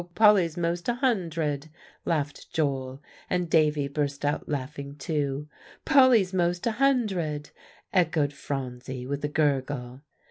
Polly's most a hundred," laughed Joel, and Davie burst out laughing too. "Polly's most a hundred," echoed Phronsie with a gurgle.